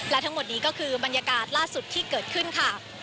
และทั้งหมดนี้ก็คือบรรยากาศล่าสุดที่เกิดขึ้นค่ะ